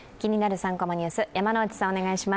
３コマニュース」。